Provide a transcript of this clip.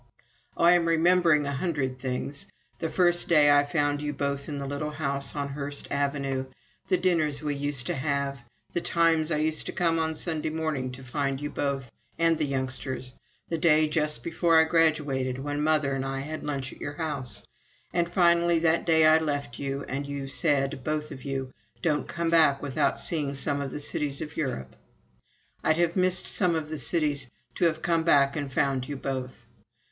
"Oh, I am remembering a hundred things! the first day I found you both in the little house on Hearst Avenue the dinners we used to have ... the times I used to come on Sunday morning to find you both, and the youngsters the day just before I graduated when mother and I had lunch at your house ... and, finally, that day I left you, and you said, both of you, 'Don't come back without seeing some of the cities of Europe.' I'd have missed some of the cities to have come back and found you both.